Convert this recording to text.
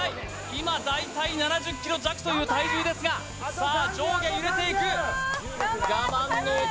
今大体７０ｋｇ弱という体重ですがさあ上下揺れていく我慢の男